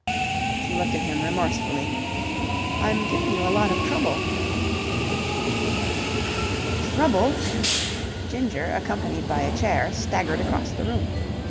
She looked at him remorsefully. "I'm giving you a lot of trouble." "Trouble!" Ginger, accompanied by a chair, staggered across the room.